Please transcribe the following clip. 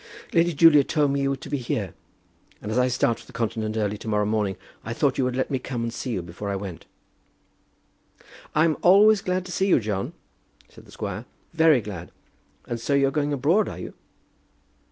"Lady Julia told me you were to be here, and as I start for the Continent early to morrow morning, I thought you would let me come and see you before I went." "I'm always glad to see you, John," said the squire, "very glad. And so you're going abroad, are you?"